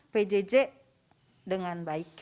pjj dengan baik